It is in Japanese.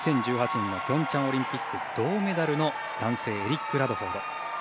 ２０１８年のピョンチャンオリンピック銅メダルの男性、エリック・ラドフォード。